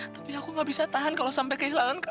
tapi aku gak bisa tahan kalau sampai kehilangan